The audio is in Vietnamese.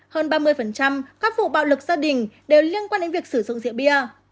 hơn ba mươi các vụ bạo lực gia đình đều liên quan đến việc sử dụng rượu bia